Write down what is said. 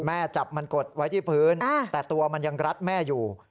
จับมันกดไว้ที่พื้นแต่ตัวมันยังรัดแม่อยู่